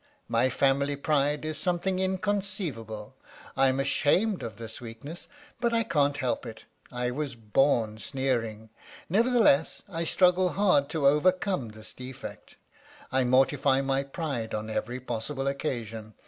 My family pride is something in conceivable; I'm ashamed of this weakness, but I can't help it. I was born sneering. Nevertheless, I 25 THE STORY OF THE MIKADO struggle hard to overcome this defect. I mortify my pride on every possible occasion.